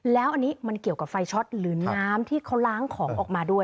แล้วอันนี้มันเกี่ยวกับไฟช็อตหรือน้ำที่เขาล้างของออกมาด้วย